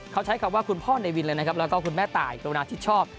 เขาใช้คำว่าคุณพ่อในวินเลยนะครับแล้วก็คุณแม่ตายกรุณาทิศชอบ